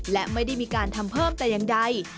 และไม่ได้มีการทำเพิ่มแต่อย่างใด